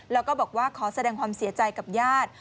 แล้วก็บอกว่าขอแสดงความเสียใจกับญาติ